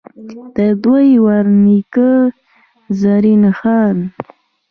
ددوي ور نيکۀ، زرين خان ،